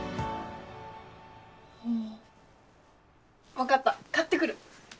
分かった買ってくる。